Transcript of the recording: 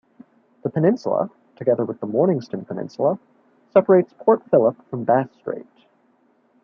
The peninsula, together with the Mornington Peninsula separates Port Phillip from Bass Strait.